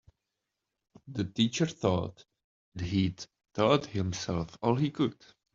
The teacher thought that he'd taught himself all he could.